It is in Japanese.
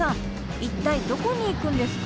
一体どこに行くんですか？